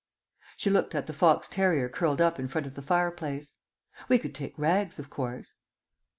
She looked at the fox terrier curled up in front of the fire place. "We could take Rags, of course."